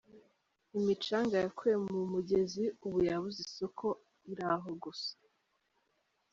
Imicanga yakuwe mu mugezi ubu yabuze isoko, iri aho gusa.